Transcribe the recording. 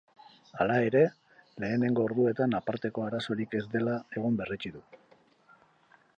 Hala ere, lehenengo orduetan aparteko arazorik ez dela egon berretsi du.